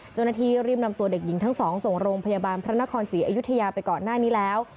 เจ้าหน้าที่รีบนำตัวเด็กหญิงทั้งสองส่งโรงพยาบาลพระนครศรีอยุธยาไปก่อนหน้านี้แล้ว